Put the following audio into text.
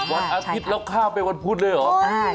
วันอาพิษแล้วข้าวเป็นวันพุธเลยเหรอ